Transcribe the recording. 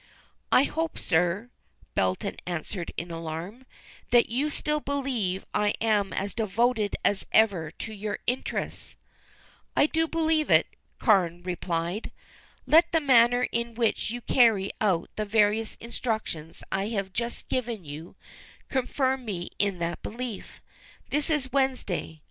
"I hope, sir," Belton answered in alarm, "that you still believe I am as devoted as ever to your interests." "I do believe it," Carne replied. "Let the manner in which you carry out the various instructions I have just given you, confirm me in that belief. This is Wednesday.